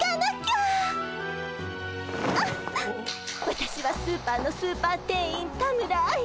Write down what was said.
私はスーパーのスーパー店員田村愛。